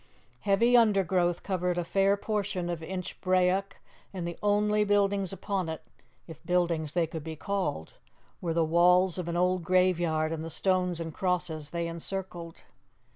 Heavy undergrowth covered a fair portion of Inchbrayock, and the only buildings upon it if buildings they could be called were the walls of an old graveyard and the stones and crosses they encircled.